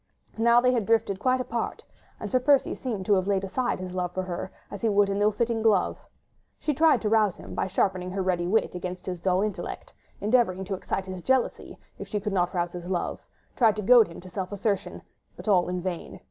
Now they had drifted quite apart, and Sir Percy seemed to have laid aside his love for her, as he would an ill fitting glove. She tried to rouse him by sharpening her ready wit against his dull intellect; endeavoured to excite his jealousy, if she could not rouse his love; tried to goad him to self assertion, but all in vain.